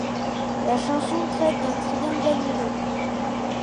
La chanson traite d'un triangle amoureux.